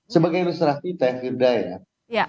sebagai restorasi teh kira kira ya